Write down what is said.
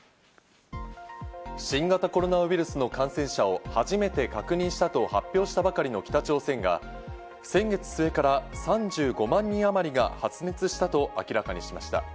新型コロナウイルスの感染者を初めて確認したと発表したばかりの北朝鮮が先月末から３５万人あまりが発熱したと明らかにしました。